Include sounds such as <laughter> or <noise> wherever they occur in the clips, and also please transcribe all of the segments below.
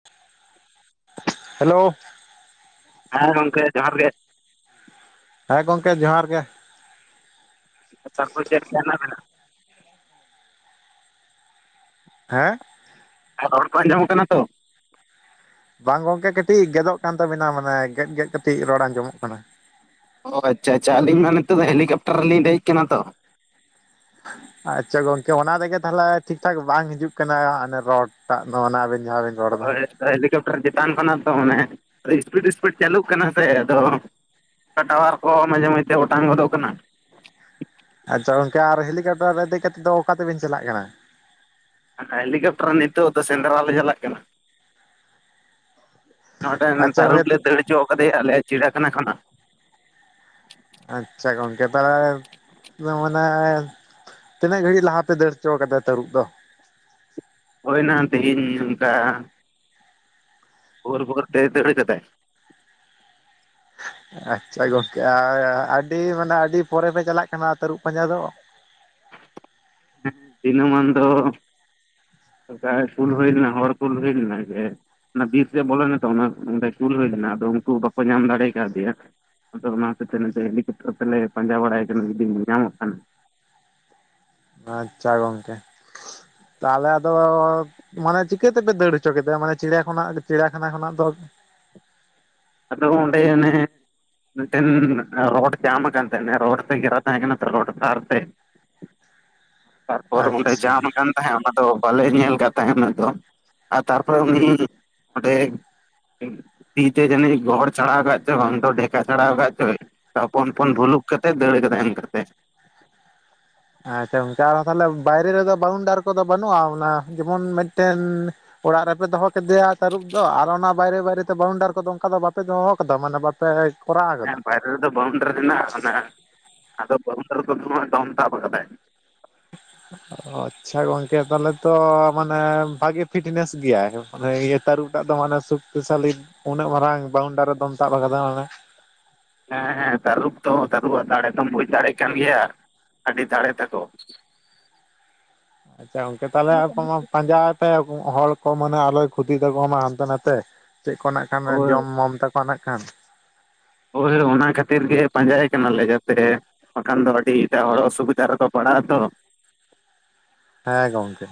<inaudible> Hello, ᱦᱮᱸ ᱜᱚᱝᱠᱮ ᱡᱚᱦᱟᱨ ᱜᱮ ᱦᱮᱸ ᱜᱚᱝᱠᱮ ᱡᱚᱦᱟᱨ ᱜᱮ᱾ ᱛᱟᱨᱯᱚᱨᱮ ᱪᱮᱫᱞᱮᱠᱟ ᱦᱮᱱᱟᱜ ᱵᱤᱱᱟ? ᱦᱮᱸ! ᱦᱮᱸ ᱨᱚᱲ ᱠᱚ ᱟᱸᱡᱚᱢ ᱠᱟᱱᱟ ᱛᱚ? ᱵᱟᱝ ᱜᱚᱝᱠᱮ ᱠᱟᱹᱴᱤᱡ ᱜᱮᱫᱚᱜ ᱠᱟᱱ ᱛᱟᱵᱤᱱᱟ ᱢᱟᱱᱮ ᱜᱮᱫ ᱜᱮᱫ ᱠᱟᱹᱴᱤᱡ ᱨᱚᱲ ᱟᱸᱡᱚᱢᱚᱜ ᱠᱟᱱᱟ᱾ ᱚ ᱟᱪᱪᱷᱟ ᱟᱪᱪᱷᱟ ᱟᱹᱞᱤᱧ ᱢᱟ ᱱᱤᱛᱚᱜ ᱫᱚ ᱦᱮᱞᱤᱠᱯᱴᱟᱨ ᱨᱮᱞᱤᱧ ᱫᱮᱡ ᱠᱟᱱᱟ ᱛᱚ᱾ ᱟᱪᱪᱷᱟ ᱜᱚᱝᱠᱮ ᱚᱱᱟ ᱨᱮᱜᱮ ᱛᱟᱦᱚᱞᱮ ᱴᱷᱤᱠᱴᱷᱟᱠ ᱵᱟᱝ ᱦᱤᱡᱩᱜ ᱠᱟᱱᱟᱱᱟ ᱨᱚᱲ ᱴᱟᱜ ᱫᱚ ᱚᱱᱟ ᱟᱵᱮᱱ ᱡᱟᱦᱟᱸ ᱵᱤᱱ ᱨᱚᱲ ᱮᱫᱟ ᱦᱳᱭ ᱦᱮᱞᱤᱠᱯᱴᱟᱨ ᱪᱮᱛᱟᱱ ᱠᱷᱚᱱᱟᱜ ᱛᱚ ᱚᱱᱮ ᱤᱥᱯᱤᱰ ᱤᱥᱯᱤᱰ ᱪᱟᱹᱞᱩᱜ ᱠᱟᱱᱟ ᱥᱮ ᱟᱫᱚ ᱴᱟᱣᱟᱨ ᱠᱚ ᱢᱟᱡᱷᱮ ᱢᱚᱫᱷᱮ ᱚᱴᱟᱝ ᱜᱚᱫᱚᱜ ᱠᱟᱱᱟ᱾ ᱟᱫᱚ ᱜᱚᱝᱠᱮ ᱟᱨ ᱦᱮᱞᱤᱠᱯᱴᱟᱨ ᱨᱮ ᱫᱮᱡ ᱠᱟᱛᱮᱫ ᱫᱚ ᱚᱠᱟ ᱛᱮᱵᱮᱱ ᱪᱟᱞᱟᱜ ᱠᱟᱱᱟ? ᱦᱮᱞᱤᱠᱯᱴᱟᱨ ᱱᱤᱛᱚᱜ ᱫᱚ ᱥᱮᱸᱫᱽᱨᱟ ᱞᱮ ᱪᱟᱞᱟᱜ ᱠᱟᱱᱟ᱾ ᱱᱚᱰᱮ ᱟᱪᱪᱷᱟ ᱛᱟᱹᱨᱩᱯ ᱞᱮ ᱜᱚᱝᱠᱮ ᱫᱟᱹᱲ ᱦᱚᱪᱚ ᱠᱟᱫᱮᱭᱟ ᱟᱞᱮ ᱪᱤᱲᱭᱟ ᱠᱷᱟᱱᱟ ᱠᱷᱚᱱᱟᱜ᱾ ᱟᱪᱪᱷᱟ ᱜᱚᱝᱠᱮ ᱛᱟᱦᱚᱞᱮ ᱢᱟᱱᱮ ᱛᱤᱱᱟᱹᱜ ᱜᱷᱟᱹᱲᱤᱡ ᱞᱟᱦᱟ ᱯᱮ ᱫᱟᱹᱲ ᱦᱚᱪᱚ ᱠᱟᱫᱟᱭ ᱛᱟᱹᱨᱩᱵ ᱫᱚ? ᱦᱳᱭ ᱱᱟ ᱛᱮᱦᱮᱧ ᱚᱱᱠᱟ ᱵᱷᱳᱨ ᱵᱷᱳᱨ ᱛᱮ ᱫᱟᱹᱲ ᱠᱟᱫᱟᱭ᱾ ᱟᱪᱪᱷᱟ ᱜᱚᱝᱠᱮ ᱟᱨ ᱟᱹᱰᱤ ᱢᱟᱱᱮ ᱟᱹᱰᱤ ᱯᱚᱨᱮ ᱯᱮ ᱪᱟᱞᱟᱜ ᱠᱟᱱᱟ ᱛᱟᱹᱨᱩᱵ ᱯᱟᱸᱡᱟ ᱫᱚ᱾ ᱦᱮᱸ ᱫᱤᱱᱟᱹᱢᱟᱱ ᱫᱚ ᱚᱱᱠᱟ ᱠᱩᱞ ᱦᱩᱭ ᱞᱮᱱᱟ ᱦᱚᱲ ᱠᱩᱞ ᱦᱩᱭ ᱞᱮᱱᱟ ᱡᱮ ᱚᱱᱟ ᱵᱤᱨ ᱥᱮᱫ ᱵᱚᱞᱚᱱᱟ ᱛᱚ ᱚᱸᱰᱮ ᱠᱩᱞ ᱦᱩᱭ ᱞᱮᱱᱟ ᱟᱫᱚ ᱩᱱᱠᱩ ᱵᱟᱠᱚ ᱧᱟᱢ ᱫᱟᱲᱮ ᱠᱟᱣᱫᱮᱭᱟ᱾ ᱟᱫᱚ ᱚᱱᱟ ᱦᱚᱛᱮᱜ‌ ᱛᱮ ᱱᱚᱱᱛ ᱦᱤᱞᱤᱠᱟᱯᱴᱟᱨ ᱛᱮᱞᱮ ᱯᱟᱡᱟ ᱵᱟᱲᱟᱭᱮ ᱠᱟᱱᱟ ᱡᱩᱫᱤ ᱧᱟᱢᱚᱜ ᱠᱷᱟᱱᱮ᱾ ᱟᱪᱪᱷᱟ ᱜᱚᱝᱠᱮ ᱛᱟᱦᱚᱞᱮ ᱟᱫᱚ ᱢᱟᱱᱮ ᱪᱤᱠᱟᱹ ᱛᱮᱯᱮ ᱫᱟᱹᱲ ᱦᱚᱪᱚ ᱠᱮᱫᱟ ᱢᱟᱱᱮ ᱪᱤᱲᱭᱟ ᱠᱷᱚᱱᱟᱜ ᱪᱤᱲᱭᱟᱠᱷᱟᱱᱟ ᱠᱷᱚᱱᱟᱜ ᱫᱚ᱾ ᱟᱫᱚ ᱚᱰᱮ ᱚᱱᱮ ᱢᱮᱫᱴᱮᱱ ᱨᱚᱰ ᱡᱟᱢ ᱠᱟᱱ ᱛᱟᱦᱮᱱᱟ ᱨᱳᱰ ᱛᱮ ᱜᱷᱮᱨᱟᱣ ᱛᱟᱦᱮᱱ ᱠᱟᱱᱟ ᱛᱚ ᱨᱚᱰ ᱛᱟᱨ ᱛᱮ᱾ ᱛᱟᱨᱯᱚᱨ ᱚᱸᱰᱮ ᱟᱪᱪᱷᱟ ᱡᱟᱢ ᱠᱟᱱ ᱛᱟᱦᱮᱸᱫ ᱟᱫᱚ ᱵᱟᱞᱮ ᱧᱮᱞ ᱠᱟᱫ ᱛᱟᱦᱮᱸᱫ ᱟᱫᱚ ᱟᱨ ᱛᱟᱨᱯᱚᱨᱮ ᱩᱱᱤ ᱚᱸᱰᱮ ᱛᱤᱛᱮ ᱡᱟᱹᱱᱤᱡ ᱜᱚᱲ ᱪᱷᱟᱲᱟᱣ ᱠᱟᱫ ᱪᱚᱭ ᱵᱟᱝ ᱫᱚ ᱰᱷᱮᱠᱟ ᱪᱷᱟᱲᱟᱣ ᱠᱟᱫ ᱪᱚ᱾ ᱛᱚᱯᱚᱱ ᱯᱚᱱ ᱵᱷᱩᱞᱩᱠ ᱠᱟᱛᱮᱫ ᱫᱟᱹᱲ ᱠᱟᱫᱟᱭ ᱚᱱᱠᱟ ᱛᱮ᱾ ᱟᱪᱪᱷᱟ ᱚᱱᱠᱟ ᱟᱫᱚ ᱛᱟᱦᱚᱞᱮ ᱵᱟᱭᱨᱮ ᱨᱮᱫᱚ ᱵᱟᱣᱩᱱᱰᱟᱨ ᱠᱚᱫᱚ ᱵᱟᱹᱱᱩᱜᱼᱟ ᱚᱱᱟ ᱡᱮᱢᱚᱱ ᱢᱤᱫᱴᱮᱱ ᱚᱲᱟᱜ ᱨᱮᱯᱮ ᱫᱚᱦᱚ ᱠᱮᱫᱮᱭᱟ ᱛᱟᱹᱨᱩᱵ ᱫᱚ ᱟᱨ ᱚᱱᱟ ᱵᱟᱭᱨᱮ ᱵᱟᱭᱨᱮᱛᱮ ᱵᱟᱣᱩᱱᱰᱟᱨ ᱠᱚᱫᱚ ᱚᱱᱠᱟ ᱫᱚ ᱵᱟᱯᱮ ᱫᱚᱦᱚ ᱠᱟᱫᱟ ᱢᱟᱱᱮ ᱵᱟ ᱯᱮ ᱠᱚᱨᱟᱣ ᱠᱟᱫᱟ᱾ ᱟᱞᱮ ᱫᱚ ᱵᱟᱣᱩᱱᱰᱟᱨ ᱦᱮᱱᱟᱜᱼᱟ ᱚᱱᱮ ᱟᱫᱚ ᱵᱟᱣᱩᱱᱰᱟᱨᱤ ᱠᱚᱫᱚ ᱫᱚᱢ ᱛᱟᱵ ᱠᱟᱫᱟᱭ᱾ ᱚᱡ ᱟᱪᱪᱷᱟ ᱜᱚᱝᱠᱮ ᱛᱟᱦᱚᱞᱮ ᱛᱚ ᱢᱟᱱᱮ ᱵᱷᱟᱜᱮ ᱯᱷᱤᱴᱱᱮᱥ ᱜᱮᱭᱟ ᱢᱟᱱᱮ ᱤᱭᱟᱹ ᱛᱟᱹᱨᱩᱵᱴᱟᱜ ᱫᱚ ᱢᱟᱱᱮ ᱥᱩᱠ ᱥᱩᱥᱟᱞᱤᱡ ᱩᱱᱟᱹᱜ ᱢᱟᱨᱟᱝ ᱵᱟᱣᱩᱱᱰᱟᱨ ᱮ ᱫᱚᱱ ᱛᱟᱵ ᱠᱟᱫᱟ ᱢᱟᱱᱮ᱾ ᱦᱮᱸ ᱦᱮᱸ ᱛᱟᱹᱨᱩᱵ ᱛᱚ ᱛᱟᱹᱨᱩᱵ ᱟᱜ ᱫᱟᱲᱮ ᱫᱚᱢ ᱵᱩᱡᱽ ᱫᱟᱲᱮᱭᱟᱜ ᱠᱟᱱ ᱜᱮᱭᱟ᱾ ᱟᱹᱰᱤ ᱫᱟᱲᱮ ᱛᱟᱠᱚ᱾ ᱛᱟᱦᱚᱞᱮ ᱟᱵᱚ ᱢᱟ ᱯᱟᱡᱟ ᱛᱮ ᱦᱚᱲ ᱠᱚ ᱢᱟᱱᱮ ᱟᱞᱚᱭ ᱠᱷᱚᱛᱤ ᱛᱟᱠᱚᱢᱟ ᱦᱟᱱᱛᱮ ᱱᱟᱛᱮ ᱪᱮᱫ ᱠᱚ ᱱᱟᱜ ᱠᱷᱟᱱ ᱦᱳᱭ ᱡᱚᱢ ᱢᱚᱢ ᱛᱟᱠᱚᱼᱼ ᱛᱟᱠᱚᱣᱟ ᱱᱟᱜ ᱠᱟᱱ ᱦᱳᱭ ᱚᱱᱟ ᱠᱷᱟᱛᱤᱨ ᱜᱮ ᱯᱟᱸᱡᱟ ᱭᱮ ᱠᱟᱱᱟᱞᱮ ᱡᱟᱛᱮᱼᱼ ᱵᱟᱠᱷᱟᱱ ᱫᱚ ᱟᱰᱤ ᱮᱴᱟᱜ ᱦᱚᱲ ᱚᱥᱩᱵᱤᱫᱟ ᱨᱮᱫᱚ ᱯᱟᱲᱟᱜ ᱟᱛᱚ᱾ ᱦᱮᱸ ᱜᱚᱝᱠᱮ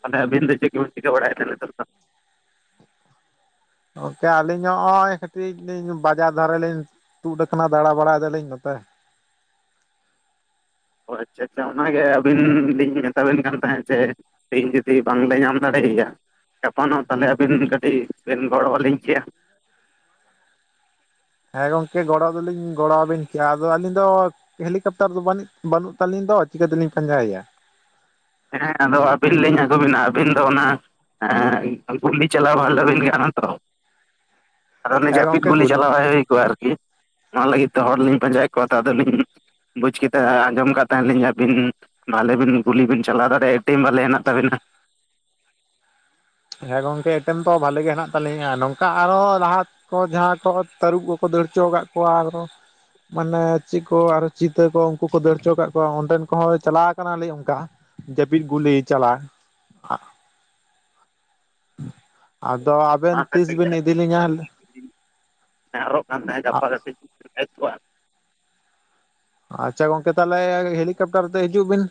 ᱛᱟᱦᱞᱮ ᱟᱵᱤᱱ ᱫᱚ ᱪᱮᱫ ᱠᱚ ᱵᱤᱱ ᱪᱤᱠᱟᱹ ᱵᱟᱲᱟᱭᱮᱛ ᱛᱟᱦᱮᱱ ᱱᱤᱛᱚᱜ ᱫᱚ? ᱜᱚᱝᱠᱮ ᱟᱹᱞᱤᱧ ᱦᱚᱸᱼᱚᱭ ᱠᱟᱹᱴᱤᱡ ᱞᱤᱧ ᱵᱟᱡᱟᱨ ᱫᱷᱟᱨᱮ ᱞᱤᱧᱼᱼ ᱛᱩᱫ ᱠᱟᱱᱟ ᱫᱟᱬᱟ ᱵᱟᱲᱟᱭ ᱫᱟᱞᱤᱧ ᱱᱚᱛᱮ᱾ ᱚ ᱟᱪᱪᱷᱟ ᱟᱪᱪᱷᱟ ᱚᱱᱟᱜᱮ ᱟᱹᱵᱤᱱ ᱞᱤᱧ ᱢᱮᱛᱟᱵᱤᱱ ᱠᱟᱱ ᱛᱟᱦᱮᱸᱫ ᱡᱮᱼᱼ ᱛᱤᱦᱤᱧ ᱡᱩᱫᱤ ᱵᱟᱝᱞᱮ ᱧᱟᱢ ᱫᱟᱲᱮᱭᱟᱭᱟᱼᱼ ᱜᱟᱯᱟᱱᱚᱜ ᱛᱟᱦᱞᱮ ᱟᱹᱵᱤᱱ ᱠᱟᱴᱤᱡ ᱵᱮᱱ ᱜᱚᱲᱚᱣᱟ ᱞᱤᱧ ᱠᱮᱭᱟ᱾ ᱦᱮᱸ ᱜᱚᱝᱠᱮ ᱜᱚᱲᱚ ᱫᱚᱞᱤᱧ ᱜᱚᱲᱚᱣᱟᱵᱤᱱ ᱠᱮᱭᱟ, ᱟᱫᱚ ᱟᱹᱞᱤᱧ ᱫᱚ ᱦᱮᱞᱤᱠᱮᱯᱴᱟᱨ ᱫᱚ ᱵᱟᱱᱤᱜ ᱵᱟᱱᱩᱜ ᱛᱟᱹᱞᱤᱧ ᱫᱚ ᱪᱤᱠᱟᱹ ᱛᱮᱞᱤᱧ ᱯᱟᱸᱡᱟᱭᱮᱭᱟ᱾ ᱦᱮᱸ ᱟᱫᱚ ᱟᱹᱵᱤᱱ ᱞᱤᱧ ᱟᱹᱜᱩ ᱵᱤᱱᱟ ᱟᱹᱵᱤᱱ ᱫᱚ ᱚᱱᱟ ᱦᱮᱸ ᱜᱩᱞᱤ ᱪᱟᱞᱟᱣ ᱵᱷᱟᱞᱮ ᱵᱤᱱ ᱜᱟᱱᱚᱜᱼᱟ ᱛᱚ᱾ ᱟᱫᱚ ᱩᱱᱤ ᱦᱮᱸ ᱡᱟᱯᱤᱫ ᱜᱚᱝᱠᱮ ᱜᱩᱞᱤ ᱪᱟᱞᱟᱣᱟᱭ ᱦᱩᱭ ᱠᱚᱜᱼᱟ ᱟᱨᱠᱤ᱾ ᱚᱱᱟ ᱞᱟᱹᱜᱤᱫ ᱛᱮ ᱦᱚᱲ ᱞᱤᱧ ᱯᱟᱸᱡᱟᱭᱮᱫ ᱠᱚᱣᱟ ᱟᱫᱚ ᱞᱤᱧ ᱵᱩᱡᱽ ᱠᱮᱫᱟ ᱟᱸᱡᱚᱢ ᱠᱟᱫ ᱛᱟᱦᱮᱱ ᱞᱤᱧ ᱟᱹᱵᱤᱱ ᱵᱷᱟᱞᱮ ᱵᱤᱱ ᱜᱩᱞᱤ ᱵᱤᱱ ᱪᱟᱞᱟᱣ ᱫᱟᱲᱮᱭᱟᱜᱼᱟ ᱮᱴᱮᱢ ᱵᱷᱟᱞᱮ ᱦᱮᱱᱟᱜ ᱛᱟᱵᱮᱱᱟ᱾ ᱦᱮᱸ ᱜᱚᱝᱠᱮ ᱮᱴᱮᱢ ᱫᱚ ᱵᱷᱟᱞᱮ ᱜᱮ ᱦᱮᱱᱟᱜ ᱛᱟᱞᱤᱧᱟ ᱱᱚᱝᱠᱟ ᱟᱨᱚ ᱞᱟᱦᱟ ᱠᱚ ᱡᱟᱦᱟᱸ ᱠᱚ ᱛᱟᱹᱨᱩᱵ ᱠᱚᱠᱚ ᱫᱟᱹᱲ ᱦᱚᱪᱚ ᱠᱟᱜ ᱠᱚᱣᱟ ᱟᱨᱚ ᱢᱟᱱᱮ ᱪᱮᱫ ᱠᱚ ᱟᱨᱚ ᱪᱤᱛᱟᱹ ᱠᱚ ᱩᱱᱠᱩ ᱠᱚ ᱫᱟᱹᱲ ᱪᱚ ᱠᱟᱜ ᱠᱚᱣᱟ ᱚᱸᱰᱮᱱ ᱠᱚᱦᱚᱸ ᱪᱟᱞᱟᱣ ᱠᱟᱱᱟᱞᱤᱧ ᱚᱝᱠᱟ᱾ ᱡᱟᱹᱯᱤᱫ ᱜᱩᱞᱤ ᱪᱟᱞᱟ ᱟᱜ ᱟᱫᱚ ᱟᱵᱮᱱ ᱛᱤᱥ ᱵᱮᱱ ᱤᱫᱤᱞᱤᱧᱟ? ᱢᱤᱫ ᱫᱤᱱ <inaudible> ᱠᱟᱱ ᱛᱟᱦᱮᱸᱫ ᱜᱟᱯᱟ ᱠᱚᱜᱼᱟ ᱟᱪᱪᱷᱟ ᱜᱚᱝᱠᱮ ᱛᱟᱦᱞᱮ ᱦᱮᱞᱤᱠᱮᱯᱴᱟᱨ ᱛᱮ ᱦᱤᱡᱩᱜ ᱵᱤᱱ᱾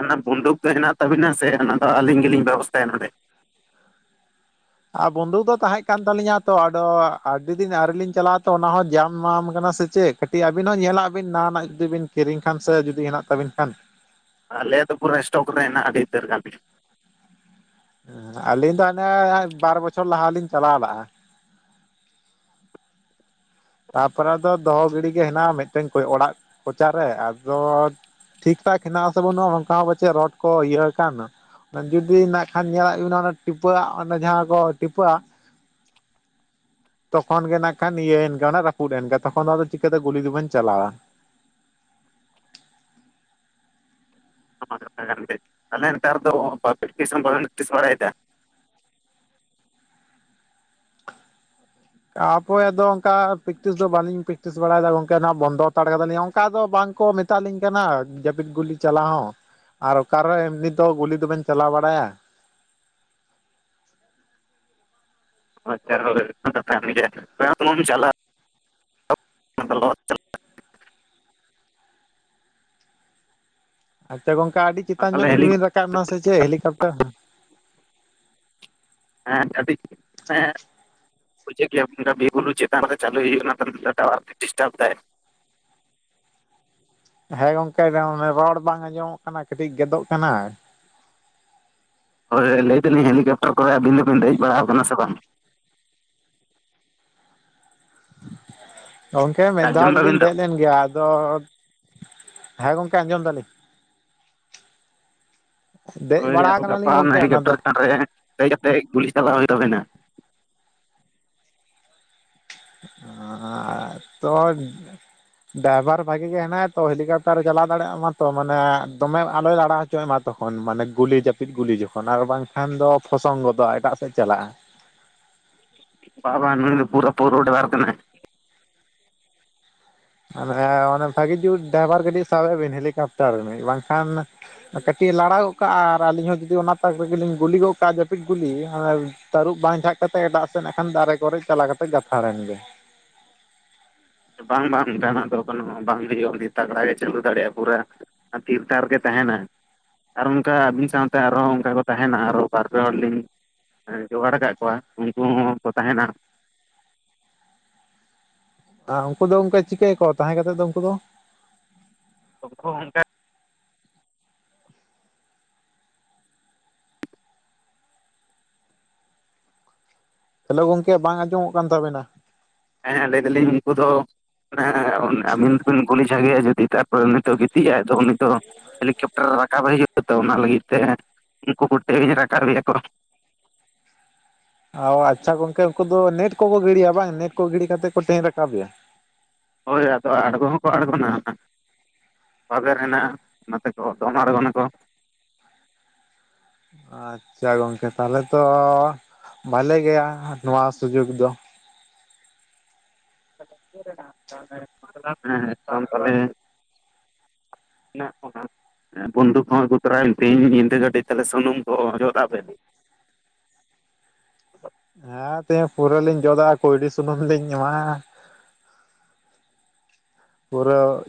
ᱚᱱᱟ ᱵᱩᱱᱫᱩᱠ ᱫᱚ ᱦᱮᱱᱟᱜ ᱛᱟᱵᱤᱱᱟ ᱥᱮ ᱚᱱᱟ ᱫᱚ ᱟᱞᱤᱧ ᱜᱮᱞᱤᱧ ᱵᱮᱵᱚᱥᱛᱷᱟᱭᱟ ᱱᱚᱰᱮ᱾ ᱟ ᱵᱚᱱᱫᱷᱩᱠ ᱫᱚ ᱛᱟᱦᱮᱸ ᱠᱟᱱ ᱛᱟᱞᱤᱧᱟ ᱛᱚ ᱟᱫᱚ ᱟᱰᱤ ᱫᱤᱱ ᱟᱣᱨᱤ ᱞᱤᱧ ᱪᱟᱞᱟᱣᱟ ᱛᱚ ᱚᱱᱟ ᱦᱚᱸ ᱡᱟᱢ ᱢᱟᱢ ᱠᱟᱱᱟ ᱥᱮ ᱪᱮᱫ? ᱴᱤ ᱟᱵᱤᱱ ᱦᱚᱸ ᱧᱮᱞᱟᱜ ᱵᱤᱱ ᱱᱟᱣᱟᱱᱟᱜ ᱡᱩᱫᱤ ᱵᱤᱱ ᱠᱤᱨᱤᱧ ᱠᱷᱟᱱ ᱥᱮ ᱡᱩᱫᱤ ᱦᱮᱱᱟᱜ ᱛᱟᱵᱤᱱ ᱠᱷᱟᱱᱼᱼ ᱟᱞᱮ ᱫᱚ ᱯᱩᱨᱟᱹ ᱥᱴᱚᱠᱨᱮ ᱦᱮᱱᱟᱜᱼᱟ ᱟᱰᱤ ᱩᱛᱟᱹᱨ ᱜᱟᱱ᱾ ᱮᱸ ᱟᱞᱤᱧ ᱫᱚ ᱦᱟᱱᱮ ᱵᱟᱨ ᱵᱚᱪᱷᱚᱨ ᱞᱟᱦᱟ ᱞᱤᱧ ᱪᱟᱞᱟᱣ ᱞᱟᱜᱼᱟ᱾ ᱛᱟᱯᱚᱨᱮ ᱫᱚ ᱫᱚᱦᱚ ᱜᱤᱲᱤ ᱜᱮ ᱦᱮᱱᱟᱜᱼᱟ᱾ ᱢᱤᱫᱴᱮᱱ ᱚᱲᱟᱜ ᱠᱚᱪᱟᱨᱮ ᱟᱫᱚ ᱴᱷᱤᱠ ᱴᱷᱟᱠ ᱦᱮᱱᱟᱜ ᱟᱥᱮ ᱵᱟᱹᱱᱩᱜᱼᱟ ᱚᱝᱠᱟ ᱦᱚᱸ ᱯᱟᱪᱷᱮ ᱨᱚᱰ ᱠᱚ ᱤᱭᱟᱹ ᱠᱟᱱ᱾ ᱡᱩᱫᱤ ᱱᱟᱜ ᱠᱷᱟᱱ ᱧᱮᱞᱟᱜ ᱵᱤᱱ ᱚᱱᱟ ᱴᱤᱯᱟᱹᱟᱜ ᱚᱱᱮ ᱡᱟᱦᱟᱸ ᱠᱚ ᱴᱤᱯᱟᱣᱟ, ᱛᱚᱠᱷᱚᱱ ᱜᱮ ᱱᱟᱜ ᱠᱷᱟᱱ ᱤᱭᱟᱹᱭᱮᱱ ᱜᱮ ᱚᱱᱟ ᱨᱟᱹᱯᱩᱫ ᱮᱱᱜᱮ ᱛᱚᱠᱷᱚᱱ ᱜᱮ ᱟᱫᱚ ᱪᱤᱠᱟᱹᱛᱮ ᱜᱩᱞᱤ ᱫᱚᱵᱮᱱ ᱪᱟᱞᱟᱣᱟ᱾ ᱚᱱᱟᱢᱟ ᱠᱟᱛᱷᱟ ᱠᱟᱱ ᱜᱮ ᱛᱟᱞᱦᱮ ᱱᱮᱛᱟᱨ ᱫᱚ <inaudible> ᱵᱟᱲᱟᱭ ᱫᱟ ᱛᱟᱯᱚᱨᱮ ᱟᱫᱚ ᱚᱱᱠᱟ ᱯᱮᱠᱴᱤᱥ ᱫᱚ ᱵᱟᱞᱤᱧ ᱯᱮᱠᱴᱤᱥ ᱵᱟᱲᱟᱭᱫᱟ ᱜᱚᱝᱠᱮ ᱱᱚᱣᱟ ᱵᱚᱱᱫᱚ ᱦᱟᱛᱟᱲ ᱠᱟᱫᱟᱞᱤᱧ ᱚᱱᱠᱟ ᱫᱚ ᱵᱟᱝ ᱠᱚ ᱢᱮᱛᱟ ᱞᱤᱧ ᱠᱟᱱᱟ ᱡᱟᱹᱯᱤᱫ ᱜᱩᱞᱤ ᱪᱟᱞᱟᱣ ᱦᱚᱸ᱾ ᱟᱨ ᱚᱠᱟᱨᱮ ᱮᱢᱱᱤ ᱫᱚ ᱜᱩᱞᱤ ᱫᱚᱵᱮᱱ ᱪᱟᱞᱟᱣ ᱵᱟᱲᱟᱭᱟ᱾ ᱟᱪᱪᱷᱟ ᱦᱳᱭ ᱚᱱᱟ ᱠᱟᱛᱷᱟ ᱠᱟᱱ ᱜᱮ ᱪᱟᱞᱟᱜ <inaudible> ᱟᱪᱪᱷᱟ ᱜᱚᱝᱠᱮ ᱟᱰᱤ ᱪᱮᱛᱟᱱ ᱛᱟᱦᱚᱞᱮ ᱧᱚᱜ ᱦᱮᱞᱤᱠ ᱜᱮᱵᱤᱱ ᱨᱟᱠᱟᱵ ᱱᱟ ᱥᱮ ᱪᱮᱫ ᱦᱮᱞᱤᱠᱯᱴᱟᱨ ᱦᱮᱸ ᱦᱮᱸ ᱟᱰᱤ ᱦᱮᱸᱼᱼ ᱵᱩᱡᱷᱟᱹᱜ ᱜᱮᱭᱟ ᱚᱱᱠᱟ ᱵᱤᱨ ᱵᱩᱨᱩ ᱪᱮᱛᱟᱱ ᱨᱮᱫᱚ ᱪᱟᱞᱩᱭ ᱦᱩᱭᱩᱜᱼᱟ ᱚᱱᱟᱛᱮ ᱱᱚᱸᱰᱮ ᱴᱟᱣᱟᱨ ᱠᱚ ᱰᱤᱥᱴᱟᱯ ᱫᱟᱭ᱾ ᱦᱮᱸ ᱜᱚᱝᱠᱮ ᱨᱚᱲ ᱵᱟᱝ ᱟᱸᱡᱚᱢᱚᱜ ᱠᱟᱱᱟ᱾ ᱠᱟᱹᱴᱤᱡ ᱜᱮᱫᱚᱜ ᱠᱟᱱᱟ᱾ ᱦᱳᱭ ᱞᱟᱹᱭᱮ ᱫᱟᱞᱤᱧ ᱦᱮᱞᱤᱠᱯᱴᱟᱨ ᱠᱚᱨᱮ ᱟᱵᱤᱱ ᱫᱚᱵᱤᱱ ᱫᱮᱡ ᱵᱟᱲᱟᱣ ᱠᱟᱱᱟ ᱥᱮ ᱵᱟᱝ? ᱜᱚᱝᱠᱮ ᱢᱤᱫ ᱫᱷᱟᱣ ᱟᱸᱡᱚᱢ ᱫᱟᱵᱤᱱ ᱫᱚᱞᱤᱧ ᱛᱚ ᱫᱮᱡ ᱞᱮᱱ ᱜᱮᱭᱟ᱾ ᱟᱫᱚ ᱦᱮᱸ ᱜᱚᱝᱠᱮ ᱟᱸᱡᱚᱢ ᱫᱟᱞᱤᱧ᱾ <inaudible> ᱫᱮᱡ ᱦᱳᱭ ᱵᱟᱲᱟ ᱜᱟᱯᱟ ᱠᱟᱱᱟᱞᱤᱧ ᱜᱚᱝᱠᱮ ᱚᱱᱟ ᱫᱚ ᱦᱮᱞᱤᱠᱯᱴᱟᱨ ᱪᱮᱛᱟᱱ ᱨᱮ ᱫᱮᱡ ᱠᱟᱛᱮ ᱜᱩᱞᱤ ᱪᱟᱞᱟᱣ ᱦᱩᱭᱩᱜ ᱛᱟᱵᱮᱱᱟ᱾ ᱛᱚ ᱰᱟᱭᱵᱷᱟᱨ ᱵᱷᱟᱜᱤ ᱜᱮ ᱦᱮᱱᱟᱭᱟ ᱛᱚ ᱦᱮᱞᱤᱠᱚᱯᱴᱟᱨᱮ ᱪᱟᱞᱟᱣ ᱫᱟᱲᱮᱭᱟᱜ ᱢᱟᱛᱚ ᱢᱟᱱᱮ ᱫᱚᱢᱮ ᱟᱞᱚᱭ ᱞᱟᱲᱟᱣ ᱦᱚᱪᱚ ᱪᱚᱭ ᱢᱟ ᱛᱚᱠᱷᱚᱱ ᱢᱟᱱᱮ ᱜᱩᱞᱤ ᱡᱟᱹᱯᱤᱫ ᱜᱩᱞᱤ ᱡᱚᱠᱷᱚᱱ ᱟᱨ ᱵᱟᱝᱠᱷᱟᱱ ᱫᱚ ᱯᱷᱚᱥᱚᱝ ᱜᱚᱫᱚᱜᱼᱟ ᱮᱴᱟᱜ ᱥᱮᱫ ᱪᱟᱞᱟᱜᱼᱟ᱾ ᱵᱟ ᱵᱟᱝ ᱱᱩᱭ ᱫᱚ ᱯᱩᱨᱟᱹ ᱯᱨᱳ ᱰᱟᱭᱵᱷᱟᱨ ᱠᱟᱱᱟᱭ᱾ ᱢᱟᱱᱮ ᱚᱱᱮ ᱵᱷᱟᱹᱜᱤ ᱡᱩᱛ ᱰᱟᱭᱵᱷᱟᱨ ᱠᱟᱹᱴᱤᱡ ᱥᱟᱵᱮ ᱵᱤᱱ ᱦᱮᱞᱤᱠᱚᱯᱴᱟᱨ ᱨᱤᱱᱤᱡ ᱵᱟᱝᱠᱷᱟᱱ ᱠᱟᱹᱴᱤᱡ ᱮ ᱞᱟᱲᱟᱣ ᱜᱚᱫ ᱠᱟᱜᱼᱟ, ᱟᱨ ᱟᱹᱞᱤᱧ ᱦᱚᱸ ᱡᱩᱫᱤ ᱚᱱᱟ ᱛᱟᱠ ᱨᱮᱜᱮᱞᱤᱧ ᱜᱩᱞᱤ ᱜᱚᱫ ᱠᱟᱜᱼᱟ ᱡᱟᱹᱯᱤᱫ ᱜᱩᱞᱤ᱾ ᱛᱟᱹᱨᱩᱵ ᱵᱟᱝ ᱡᱷᱟᱜ ᱠᱟᱛᱮᱫ ᱮᱴᱟᱜ ᱥᱮᱱ ᱠᱷᱟᱱ ᱫᱟᱨᱮ ᱠᱚᱨᱮ ᱪᱟᱞᱟᱣ ᱠᱟᱛᱮᱜ ᱜᱟᱛᱷᱟᱲᱮᱱ ᱜᱮ᱾ ᱵᱟᱝ ᱵᱟᱝ ᱡᱟᱦᱟᱱᱟᱜ ᱫᱚ ᱠᱤᱱᱳ ᱵᱟᱝ ᱦᱩᱭᱩᱜᱼᱟ᱾ ᱛᱟᱜᱽᱲᱟ ᱜᱮ ᱪᱟᱹᱞᱩ ᱫᱟᱲᱮᱭᱟᱜᱼᱟᱭ ᱯᱩᱨᱟᱹ ᱛᱷᱤᱨ ᱛᱟᱨ ᱜᱮ ᱛᱟᱦᱮᱱᱟ᱾ ᱟᱨ ᱚᱱᱠᱟ ᱟᱵᱤᱱ ᱥᱟᱶᱛᱮ ᱟᱨᱦᱚᱸ ᱚᱱᱠᱟ ᱠᱚ ᱛᱟᱦᱮᱱᱟ ᱟᱨᱚ ᱵᱟᱨ ᱯᱮ ᱦᱚᱲ ᱞᱤᱧ ᱡᱚᱜᱟᱲ ᱟᱠᱟᱫ ᱠᱚᱣᱟ, ᱩᱱᱠᱩ ᱦᱚᱸᱠᱚ ᱛᱟᱦᱮᱱᱟ᱾ ᱩᱱᱠᱩ ᱫᱚ ᱚᱱᱠᱟ ᱪᱤᱠᱟᱹᱭᱟᱠᱚ ᱛᱟᱦᱮᱸ ᱠᱟᱛᱮ ᱫᱚ ᱩᱱᱠᱩ ᱫᱚ ᱩᱱᱠᱩ ᱦᱚᱸ ᱚᱱᱠᱟ ᱦᱮᱞᱳ ᱜᱚᱢᱠᱮ ᱵᱟᱝ ᱟᱸᱡᱚᱢᱚᱜ ᱠᱟᱱ ᱛᱟᱵᱮᱱᱟ? ᱦᱮᱸ ᱞᱟᱹᱭ ᱫᱟᱞᱤᱧ ᱩᱱᱠᱩ ᱫᱚ ᱟᱵᱤᱱ ᱫᱚᱵᱤᱱ ᱠᱩᱞᱤ ᱠᱚᱜᱮᱭᱟ ᱡᱩᱫᱤ ᱛᱟᱨᱯᱚᱨᱮ ᱱᱤᱛᱚᱜ ᱜᱤᱛᱤᱜ ᱟᱭ ᱛᱚ ᱩᱱᱤ ᱫᱚ ᱦᱮᱞᱤᱠᱮᱯᱴᱟᱨᱮ ᱨᱟᱠᱟᱵᱮ ᱦᱩᱭᱩᱜ-ᱟ᱾ ᱛᱚ ᱚᱱᱟ ᱞᱟᱹᱜᱤᱫ ᱛᱮ ᱩᱱᱠᱩ ᱠᱚ ᱴᱮᱭᱮᱧ ᱨᱟᱠᱟᱵᱮᱭᱟ ᱠᱚ᱾ ᱚ ᱟᱪᱪᱷᱟ ᱜᱚᱝᱠᱮ ᱩᱱᱠᱩ ᱫᱚ ᱱᱮᱴ ᱠᱚᱠᱚ ᱜᱤᱰᱤᱭᱟ ᱵᱟᱝ ᱱᱮᱴ ᱠᱚ ᱜᱤᱰᱤ ᱠᱟᱛᱮ ᱠᱚ ᱴᱮᱭᱮᱧ ᱨᱟᱠᱟᱵᱮᱭᱟ᱾ ᱦᱳᱭ ᱟᱫᱚ ᱟᱲᱜᱚ ᱦᱚᱸᱠᱚ ᱟᱲᱜᱚᱱᱟ᱾ ᱵᱟᱵᱮᱨ ᱦᱮᱱᱟᱜᱼᱟ ᱚᱱᱟᱛᱮ ᱠᱚ ᱫᱚᱱ ᱟᱬᱜᱚᱱᱟᱠᱚ᱾ ᱟᱪᱪᱷᱟ ᱜᱚᱝᱠᱮ ᱛᱟᱦᱚᱞᱮ ᱛᱚ ᱵᱷᱟᱞᱮ ᱜᱮᱭᱟ ᱱᱚᱣᱟ ᱥᱩᱡᱩᱜ ᱫᱚ᱾ <inaudible> ᱚᱱᱮ ᱚᱱᱟ ᱵᱚᱱᱫᱩᱠ ᱦᱚ ᱟᱜᱩ ᱛᱚᱨᱟᱭ ᱵᱤᱱ ᱛᱮᱦᱮᱧ ᱧᱤᱫᱟᱹ ᱠᱟᱴᱤᱡ ᱛᱟᱦᱚᱞᱮ ᱥᱩᱱᱩᱢ ᱠᱚ ᱡᱚᱫᱟᱜᱵᱮᱱ᱾ ᱦᱮᱸ ᱛᱮᱦᱮᱧ ᱯᱩᱨᱟᱹ ᱞᱤᱧ ᱡᱚᱫᱟᱜ-ᱟ ᱠᱩᱭᱰᱤ ᱥᱩᱱᱩᱢ ᱞᱤᱧ ᱮᱢᱟᱜ-ᱟ᱾ ᱯᱩᱨᱟᱹ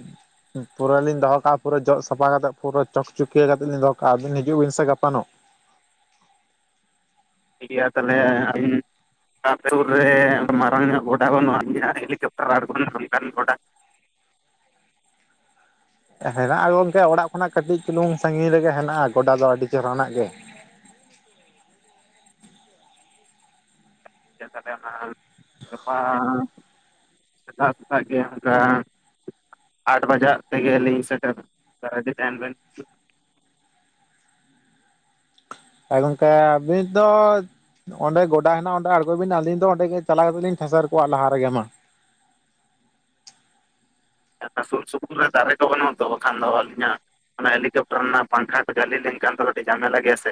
ᱯᱩᱨᱟᱹ ᱞᱤᱧ ᱫᱚᱦᱚ ᱠᱟᱜᱼᱟ ᱯᱩᱨᱟᱹ ᱡᱚᱜ ᱥᱟᱯᱷᱟ ᱠᱟᱛᱮᱜ ᱯᱩᱨᱟᱹ ᱪᱚᱠᱪᱩᱠᱤᱭᱟᱹ ᱠᱟᱛᱮᱫ ᱞᱤᱧ ᱫᱚᱦᱚ ᱠᱟᱜᱼᱟ ᱟᱵᱤᱱ ᱦᱤᱡᱩᱜ ᱵᱤᱱ ᱥᱮ ᱜᱟᱯᱟ ᱱᱚᱜ᱾ ᱴᱷᱤᱠ ᱜᱮᱭᱟ ᱛᱟᱦᱚᱞᱮ ᱟᱹᱵᱤᱱ ᱟᱯᱮ ᱥᱩᱨ ᱨᱮ ᱢᱟᱨᱟᱝ ᱧᱚᱜ ᱜᱚᱰᱟ ᱵᱟᱹᱱᱩᱜᱼᱟ ᱦᱮᱞᱤᱠᱮᱯᱴᱟᱨ ᱟᱬᱜᱚᱱ ᱚᱱᱠᱟᱱ ᱜᱚᱰᱟ᱾ ᱦᱮᱱᱟᱜᱼᱟ ᱜᱚᱝᱠᱮ ᱚᱲᱟᱜ ᱠᱷᱚᱱᱟᱜ ᱠᱟᱹᱴᱤᱡ ᱪᱩᱞᱩᱝ ᱥᱟᱺᱜᱤᱧ ᱨᱮᱜᱮ ᱦᱮᱱᱟᱜᱼᱟ ᱜᱚᱰᱟ ᱫᱚ ᱟᱹᱰᱤ ᱪᱮᱦᱨᱟᱱᱟᱜ ᱜᱮ᱾ ᱟᱪᱪᱷᱟ ᱛᱟᱦᱞᱮ ᱦᱟᱜ ᱜᱟᱯᱟ ᱥᱮᱛᱟᱜ ᱥᱮᱛᱟᱜ ᱜᱮ ᱚᱱᱠᱟ᱾ ᱟᱴ ᱵᱟᱡᱟᱜ ᱛᱮᱜᱮ ᱞᱤᱧ ᱥᱮᱴᱮᱨ ᱨᱮᱰᱤ ᱛᱟᱦᱮᱱ ᱵᱮᱱ᱾ ᱮ ᱜᱚᱢᱠᱮ ᱟᱵᱤᱱ ᱫᱚ ᱚᱸᱰᱮ ᱜᱚᱰᱟ ᱦᱮᱱᱟᱜ-ᱟ ᱚᱸᱰᱮ ᱟᱬᱜᱚᱭ ᱵᱤᱱ ᱟᱹᱞᱤᱧ ᱫᱚ ᱚᱸᱰᱮ ᱜᱮ ᱪᱟᱞᱟᱣ ᱠᱟᱛᱮ ᱞᱤᱧ ᱴᱷᱮᱥᱮᱨ ᱠᱚᱜ-ᱟ ᱞᱟᱦᱟ ᱨᱮᱜᱮ ᱢᱟ᱾ ᱥᱩᱨ ᱥᱩᱯᱩᱨ ᱨᱮ ᱫᱟᱨᱮ ᱠᱚ ᱵᱟᱹᱱᱩᱜᱼᱟ ᱛᱚ ᱵᱟᱠᱷᱟᱱ ᱫᱚ ᱟᱹᱞᱤᱧᱟ ᱚᱱᱟ ᱦᱮᱞᱤᱠᱮᱯᱴᱟᱨ ᱨᱮᱱᱟᱜ ᱯᱟᱝᱠᱷᱟ ᱠᱟ ᱡᱷᱟᱹᱞᱤ ᱞᱮᱱᱠᱷᱟᱱ ᱫᱚ ᱠᱟᱹᱴᱤᱡ ᱡᱷᱟᱢᱮᱞᱟ ᱜᱮᱭᱟ ᱥᱮ᱾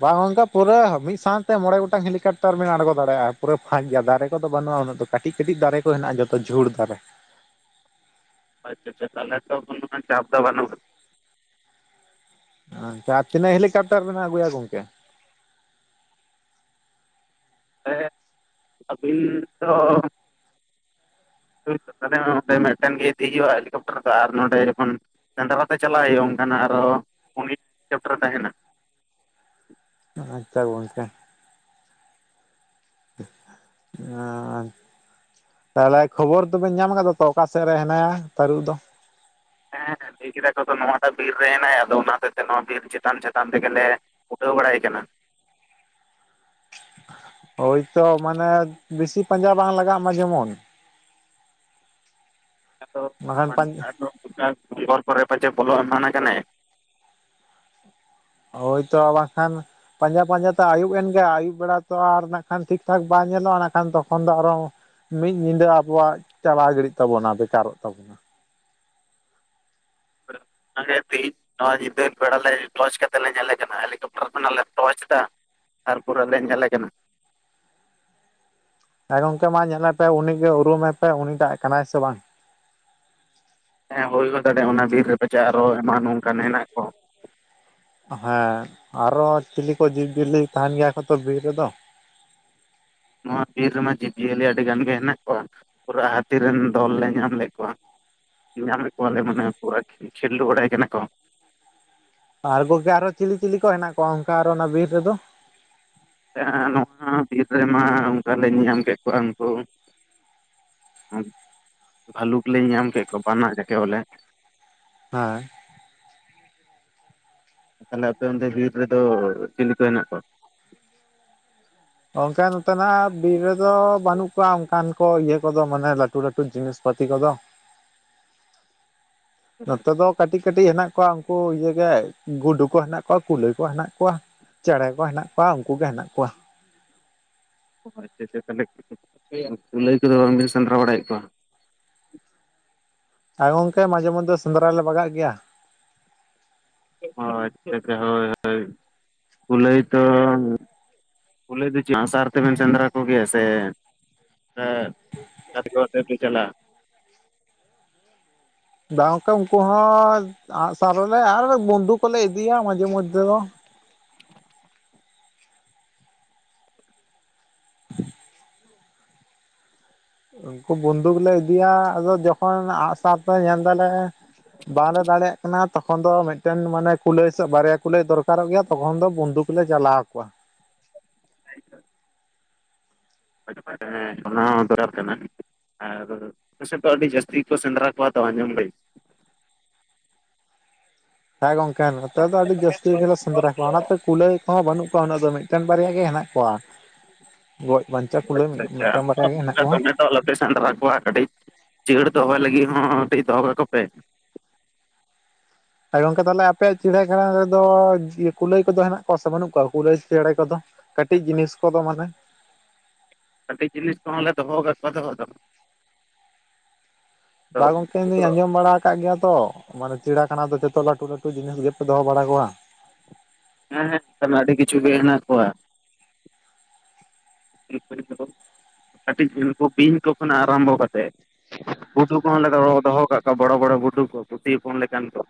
ᱵᱟᱝ ᱜᱚᱢᱠᱮ ᱯᱩᱨᱟᱹ ᱢᱤᱫ ᱥᱟᱶᱛᱮ ᱢᱚᱬᱮ ᱵᱟᱝ ᱜᱚᱴᱟᱝ ᱦᱮᱞᱤᱠᱮᱯᱴᱟᱨ ᱵᱤᱱ ᱟᱬᱜᱚ ᱫᱟᱲᱮᱭᱟᱜᱼᱟ ᱯᱩᱨᱟᱹ ᱯᱷᱟᱠ ᱜᱮᱭᱟ ᱫᱟᱨᱮ ᱠᱚᱫᱚ ᱵᱟᱹᱱᱩᱜᱼᱟ ᱩᱱᱟᱹᱜ ᱫᱚ᱾ ᱠᱟᱹᱴᱤᱡ ᱠᱟᱹᱴᱤᱡ ᱫᱟᱨᱮ ᱠᱚ ᱦᱮᱱᱟᱜ-ᱟ ᱡᱚᱛᱚ ᱡᱷᱩᱲ ᱫᱟᱨᱮ ᱟᱪᱪᱷᱟ ᱟᱪᱪᱷᱟ ᱛᱟᱦᱚᱞᱮ ᱛᱚ ᱩᱱᱟᱜ ᱜᱟᱱ ᱪᱟᱯ ᱫᱚ ᱵᱟᱱᱩᱜ-ᱟ᱾ ᱡᱟᱦᱟ ᱛᱤᱱᱟ ᱦᱮᱞᱤᱠᱮᱯᱴᱟᱨ ᱵᱤᱱ ᱟᱜᱩᱭᱟ ᱜᱚᱢᱠᱮ᱾ ᱦᱮᱸ ᱟᱹᱵᱤᱱ ᱫᱚ ᱛᱟᱦᱚᱞᱮ ᱚᱸᱰᱮ ᱢᱤᱫᱴᱮᱱ ᱜᱮ ᱤᱫᱤ ᱦᱩᱭᱩᱜᱼᱟ ᱦᱮᱞᱤᱠᱮᱯᱴᱟᱨ ᱫᱚ ᱟᱨ ᱱᱚᱰᱮ ᱡᱚᱠᱷᱚᱱ ᱥᱮᱸᱫᱽᱨᱟ ᱛᱮ ᱪᱟᱞᱟᱜ ᱦᱩᱭᱩᱜᱼᱟ ᱚᱱᱠᱟᱱᱟᱜ ᱟᱨᱚ <unintelligible> ᱛᱟᱦᱮᱱᱟ ᱟᱪᱪᱷᱟ ᱜᱚᱢᱠᱮ <unintelligible> ᱛᱟᱦᱚᱞᱮ ᱠᱷᱚᱵᱚᱨ ᱫᱚᱵᱮᱱ ᱧᱟᱢ ᱟᱠᱟᱫᱟ ᱛᱚ ᱚᱠᱟ ᱥᱮᱫ ᱨᱮ ᱦᱮᱱᱟᱭᱟ ᱛᱟᱹᱨᱩᱵ ᱫᱚ ᱦᱮᱸ ᱦᱮᱸ ᱞᱟᱹᱭ ᱠᱮᱫᱟ ᱠᱚᱛᱚ ᱱᱚᱣᱟᱴᱟᱜ ᱵᱤᱨ ᱨᱮ ᱦᱮᱱᱟᱭᱟ ᱟᱫᱚ ᱚᱱᱟ ᱦᱚᱛᱮ ᱛᱮ ᱱᱚᱣᱟ ᱵᱤᱨ ᱪᱮᱛᱟᱱ ᱪᱮᱛᱟᱱ ᱛᱮᱜᱮᱞᱮ ᱩᱴᱷᱟᱹᱣ ᱵᱟᱲᱟᱭ ᱠᱟᱱᱟ ᱳᱭᱛᱚ ᱢᱟᱱᱮ ᱵᱮᱥᱤ ᱯᱟᱸᱡᱟ ᱵᱟᱝ ᱞᱟᱜᱟᱜ ᱢᱟ ᱡᱮᱢᱚᱱ ᱵᱟᱠᱷᱟᱱ ᱯᱟᱸᱡᱟ ᱟᱫᱚ ᱚᱠᱟ ᱜᱷᱚᱵᱚᱨ ᱠᱚᱨᱮ ᱯᱟᱪᱮᱫ ᱵᱚᱞᱚ ᱮᱢᱟᱱ ᱠᱟᱱᱮ ᱦᱳᱭᱛᱚ ᱵᱟᱝᱠᱷᱟᱱ ᱯᱟᱸᱡᱟ ᱯᱟᱸᱡᱟ ᱛᱮ ᱟᱹᱭᱩᱵ ᱮᱱᱜᱮ ᱟᱹᱭᱩᱵ ᱵᱮᱲᱟ ᱛᱚ ᱟᱨ ᱴᱷᱤᱠ ᱴᱷᱟᱠ ᱵᱟᱭ ᱧᱮᱞᱚᱜᱼᱟ ᱱᱟᱠᱷᱟᱱ ᱛᱚᱠᱷᱚᱱ ᱫᱚ ᱟᱨᱚ ᱢᱤᱫᱤ ᱧᱤᱫᱟᱹ ᱟᱵᱚᱣᱟᱜ ᱪᱟᱞᱟᱣ ᱜᱤᱲᱤᱜ ᱛᱟᱵᱚᱱᱟ ᱵᱮᱠᱟᱨᱚᱜ ᱛᱟᱵᱚᱱᱟ ᱚᱱᱟᱜᱮ ᱛᱮᱦᱤᱧ ᱱᱚᱣᱟ ᱧᱤᱫᱟᱹ ᱵᱮᱲᱟ ᱞᱮ ᱴᱚᱪ ᱠᱟᱛᱮ ᱞᱮ ᱧᱮᱞᱮ ᱠᱟᱱᱟ ᱦᱮᱞᱤᱠᱮᱯᱴᱟᱨ ᱠᱷᱚᱱᱟᱜ ᱞᱮ ᱴᱚᱨᱚᱪ ᱮᱫᱟ ᱟᱨ ᱯᱩᱨᱟᱹᱞᱮ ᱧᱮᱞᱮ ᱠᱟᱱᱟ ᱦᱮ ᱜᱚᱢᱠᱮ ᱢᱟ ᱧᱮᱞᱮᱯᱮ ᱩᱱᱤ ᱜᱮ ᱩᱨᱩᱢᱮ ᱯᱮ ᱩᱱᱤ ᱴᱟᱜ ᱠᱟᱱᱟᱭ ᱥᱮ ᱵᱟᱝ ᱦᱮᱸ ᱦᱩᱭ ᱦᱚ ᱫᱟᱲᱮᱭᱟᱜᱼᱟ ᱚᱱᱟ ᱵᱤᱨ ᱨᱮ ᱯᱟᱪᱮᱫ ᱟᱨᱚ ᱮᱢᱟᱱ ᱚᱱᱠᱟᱱ ᱦᱮᱱᱟᱜ ᱠᱚ ᱦᱮᱸ ᱟᱨᱚ ᱪᱤᱞᱤ ᱠᱚ ᱡᱤᱵᱽ ᱡᱤᱭᱟᱹᱞᱤ ᱛᱟᱦᱮᱱ ᱜᱮᱭᱟ ᱠᱚᱛᱚ ᱵᱤᱨ ᱨᱮᱫᱚ ᱱᱚᱣᱟ ᱵᱤᱨ ᱨᱮᱢᱟ ᱡᱤᱵᱽ ᱡᱤᱭᱟᱹᱞᱤ ᱟᱹᱰᱤ ᱜᱟᱱ ᱜᱮ ᱦᱮᱱᱟᱜ ᱠᱚᱣᱟ ᱯᱩᱨᱟᱹ ᱦᱟᱹᱛᱤ ᱨᱮᱱ ᱫᱚᱞ ᱞᱮ ᱧᱟᱢ ᱞᱮᱫ ᱠᱚᱣᱟ ᱧᱟᱢ ᱞᱮᱫ ᱠᱚᱣᱟᱞᱮ ᱢᱟᱱᱮ ᱯᱩᱨᱟᱹ ᱠᱷᱮᱞᱰᱩ ᱵᱟᱲᱟᱭ ᱠᱟᱱᱟ ᱠᱚ ᱟᱨ ᱜᱚᱝᱠᱮ ᱟᱨᱚ ᱪᱤᱞᱤ ᱪᱤᱞᱤ ᱠᱚ ᱦᱮᱱᱟᱜ ᱠᱚᱣᱟ ᱚᱱᱠᱟ ᱟᱨᱚ ᱚᱱᱟ ᱵᱤᱨ ᱨᱮᱫᱚ ᱱᱚᱣᱟ ᱵᱤᱨ ᱨᱮᱢᱟ ᱚᱱᱠᱟ ᱞᱮ ᱧᱮᱧᱟᱢ ᱠᱮᱫ ᱠᱚᱣᱟ ᱩᱱᱠᱩ ᱦᱩ ᱵᱷᱟᱞᱩᱠ ᱞᱮ ᱧᱮᱧᱟᱢ ᱠᱮᱫ ᱠᱚᱣᱟ ᱵᱟᱱᱟ ᱡᱟᱠᱮ ᱵᱚᱞᱮ ᱦᱮᱸ ᱛᱟᱦᱞᱮ ᱟᱯᱮ ᱚᱱᱛᱮ ᱵᱤᱨ ᱨᱮᱫᱚ ᱪᱤᱞᱤ ᱠᱚ ᱦᱮᱱᱟᱜ ᱠᱚᱣᱟ ᱚᱱᱠᱟ ᱱᱚᱛᱮᱱᱟᱜ ᱵᱤᱨ ᱨᱮᱫᱚ ᱵᱟᱱᱩᱜ ᱠᱚᱣᱟ ᱚᱱᱠᱟᱱ ᱠᱚ ᱤᱭᱟᱹ ᱠᱚᱫᱚ ᱢᱟᱱᱮ ᱞᱟᱹᱴᱩ ᱞᱟᱹᱴᱩ ᱡᱤᱱᱤᱥ ᱯᱟᱛᱤ ᱠᱚᱫᱚ ᱱᱚᱛᱮ ᱫᱚ ᱠᱟᱹᱴᱤᱡ ᱠᱟᱹᱴᱤᱡ ᱦᱮᱱᱟᱜ ᱠᱚᱣᱟ ᱩᱱᱠᱩ ᱤᱭᱟᱹ ᱜᱮ ᱜᱩᱰᱩ ᱠᱚ ᱦᱮᱱᱟᱜ ᱠᱚᱣᱟ ᱠᱩᱞᱟᱹᱭ ᱠᱚ ᱦᱮᱱᱟᱜ ᱠᱚᱣᱟ ᱪᱮᱬᱮ ᱠᱚ ᱦᱮᱱᱟᱜ ᱠᱚᱣᱟ ᱩᱱᱠᱩ ᱜᱮ ᱦᱮᱱᱟᱜ ᱠᱚᱣᱟ ᱟᱪᱪᱷᱟ ᱟᱪᱪᱷᱟ ᱛᱟᱦᱞᱮ ᱠᱩᱞᱟᱹᱭ ᱠᱚᱫᱚ ᱵᱟᱝᱵᱤᱱ ᱥᱮᱸᱫᱽᱨᱟ ᱵᱟᱲᱟᱭᱮᱫ ᱠᱚᱣᱟ ᱦᱮᱸ ᱜᱚᱝᱠᱮ ᱢᱟᱡᱷᱮ ᱢᱚᱫᱽᱫᱷᱮ ᱥᱮᱫᱽᱨᱟ ᱞᱮ ᱵᱟᱜᱟᱜ ᱜᱮᱭᱟ ᱚ ᱟᱪᱪᱷᱟ ᱟᱪᱪᱷᱟ ᱦᱳᱭ ᱦᱳᱭ ᱠᱩᱞᱟᱹᱭ ᱛᱚ ᱠᱩᱞᱟᱹᱭ ᱫᱚ ᱪᱮᱫ ᱟᱸᱜ ᱥᱟᱨ ᱛᱮᱵᱮᱱ ᱥᱮᱸᱫᱽᱨᱟ ᱠᱚᱜᱮᱭᱟ ᱥᱮ ᱮᱫ <unintelligible> ᱵᱟᱝ ᱜᱚᱝᱠᱮ ᱩᱱᱠᱩ ᱦᱚᱸ ᱟᱸᱜ ᱥᱟᱨ ᱦᱚᱞᱮ ᱟᱨ ᱵᱚᱱᱫᱷᱩᱠ ᱠᱚᱞᱮ ᱤᱫᱤᱭᱟ ᱢᱟᱡᱷᱮ ᱢᱚᱫᱽᱫᱷᱮ ᱫᱚ ᱩᱱᱠᱩ ᱵᱚᱱᱫᱷᱩᱠ ᱞᱮ ᱤᱫᱤᱭᱟ ᱟᱫᱚ ᱡᱚᱠᱷᱚᱱ ᱟᱸᱜ ᱥᱟᱨ ᱛᱮ ᱧᱮᱞᱫᱟᱞᱮ ᱵᱟᱞᱮ ᱫᱟᱲᱮᱭᱟᱜ ᱠᱟᱱᱟ ᱛᱚᱠᱷᱚᱱ ᱫᱚ ᱢᱤᱫᱴᱮᱱ ᱢᱟᱱᱮ ᱠᱩᱞᱟᱹᱭ ᱥᱮ ᱵᱟᱨᱭᱟ ᱠᱩᱞᱟᱹᱭ ᱫᱚᱨᱠᱟᱨᱚᱜ ᱜᱮᱭᱟ ᱛᱚᱠᱷᱚᱱ ᱫᱚ ᱵᱚᱱᱫᱩᱠ ᱠᱩᱞᱮ ᱪᱟᱞᱟᱣ ᱟᱠᱚᱣᱟ ᱦᱮᱸ ᱚᱱᱟ ᱫᱚᱨᱠᱟᱨ ᱠᱟᱱᱟ ᱟᱨ ᱟᱯᱮᱥᱮᱫ ᱫᱚ ᱟᱹᱰᱤ ᱡᱟᱹᱥᱛᱤ ᱠᱚ ᱥᱮᱸᱫᱽᱨᱟ ᱠᱚᱣᱟ ᱛᱚ ᱟᱸᱡᱚᱢ ᱫᱟᱹᱧ ᱦᱮᱸ ᱜᱚᱝᱠᱮ ᱦᱮᱸ ᱱᱚᱛᱮ ᱫᱚ ᱟᱹᱰᱤ ᱟᱪᱪᱷᱟ ᱡᱟᱹᱥᱛᱤ ᱜᱮᱞᱮ ᱥᱮᱸᱫᱽᱨᱟ ᱠᱚᱣᱟ ᱚᱱᱟᱛᱮ ᱠᱩᱞᱟᱹᱭ ᱠᱚᱦᱚᱸ ᱵᱟᱹᱱᱩᱜ ᱠᱚᱣᱟ ᱩᱱᱟᱹᱜ ᱫᱚ ᱢᱤᱫᱴᱮᱱ ᱵᱟᱨᱭᱟ ᱜᱮ ᱦᱮᱱᱟᱜ ᱠᱚᱣᱟ ᱜᱚᱡ ᱵᱟᱧᱪᱟᱣ ᱠᱩᱞᱟᱹᱭ ᱢᱤᱫᱴᱮᱱ ᱵᱟᱨᱭᱟ ᱜᱮ ᱦᱮᱱᱟᱜ ᱠᱚᱣᱟ ᱟᱫᱚ ᱟᱞᱚᱯᱮ ᱥᱮᱱᱫᱽᱨᱟ ᱠᱚᱣᱟ ᱠᱟᱹᱴᱤᱡ ᱡᱟᱹᱲ ᱫᱚᱦᱚᱭ ᱞᱟᱹᱜᱤᱫ ᱦᱚᱸ ᱠᱟᱹᱴᱤᱡ ᱫᱚᱦᱚ ᱠᱟᱠᱚ ᱯᱮ ᱦᱮᱸ ᱜᱚᱝᱠᱮ ᱛᱟᱦᱞᱮ ᱟᱯᱮᱭᱟᱜ ᱪᱤᱬᱟᱹᱠᱷᱟᱱᱟ ᱨᱮᱫᱚ ᱠᱩᱞᱟᱹᱭ ᱠᱚᱫᱚ ᱦᱮᱱᱟᱜ ᱠᱚᱣᱟ ᱥᱮ ᱵᱟᱹᱱᱩᱜ ᱠᱚᱣᱟ ᱠᱩᱞᱟᱹᱭ ᱪᱮᱬᱮ ᱠᱚᱫᱚ ᱠᱟᱹᱴᱤᱡ ᱡᱤᱱᱤᱥ ᱠᱚᱫᱚ ᱢᱟᱱᱮ ᱠᱟᱹᱴᱤᱡ ᱡᱤᱱᱤᱥ ᱠᱚᱦᱚᱸ ᱞᱮ ᱫᱚᱦᱚ ᱠᱟᱫ ᱠᱚᱣᱟ ᱫᱚᱦᱚ ᱫᱚ ᱵᱟ ᱟᱫᱚ ᱜᱚᱝᱠᱮ ᱩᱱᱠᱩ ᱤᱧ ᱫᱩᱧ ᱫᱚ ᱟᱸᱡᱚᱢ ᱵᱟᱲᱟ ᱠᱟᱜ ᱜᱮᱭᱟ, ᱛᱚ ᱢᱟᱱᱮ ᱪᱤᱲᱟᱠᱷᱟᱱᱟ ᱫᱚ ᱡᱚᱛᱚ ᱞᱟᱹᱴᱩ ᱞᱟᱹᱴᱩ ᱡᱤᱱᱤᱥ ᱜᱮᱯᱮ ᱫᱚᱦᱚ ᱵᱟᱲᱟ ᱠᱚᱣᱟ᱾ ᱦᱮᱸ ᱦᱮᱸ <unintelligible> ᱟᱹᱰᱤ ᱠᱤᱪᱷᱩ ᱜᱮ ᱦᱮᱱᱟᱜ ᱠᱚᱣᱟ᱾ ᱠᱟᱹᱴᱤᱡ <inaudible> ᱱᱩᱠᱩ ᱵᱸᱤᱧ ᱠᱚ ᱠᱷᱚᱱᱟᱜ ᱟᱨᱟᱢᱵᱚ ᱠᱟᱛᱮ᱾ ᱜᱩᱰᱩ ᱠᱚᱦᱚᱸᱞᱮ ᱫᱚᱦᱚ ᱫᱚᱦᱚᱣ ᱠᱟᱜ ᱠᱚᱣᱟ ᱵᱚᱲᱚ ᱵᱚᱲᱚ ᱜᱩᱰᱩ ᱠᱚ ᱯᱩᱴᱷᱤ ᱦᱚᱯᱚᱱ ᱞᱮᱠᱟᱱ ᱠᱚ᱾